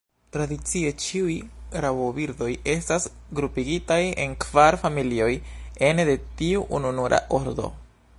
Tradicie ĉiuj rabobirdoj estas grupigitaj en kvar familioj ene de tiu ununura ordo.